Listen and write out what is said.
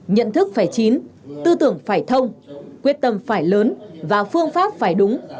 nhận thức phải chín tư tưởng phải thông quyết tâm phải lớn và phương pháp phải đúng